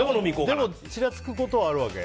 でもちらつくことはあるわけ？